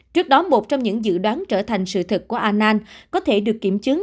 trước đó một trong những dự đoán trở thành sự thật của anand có thể được kiểm chứng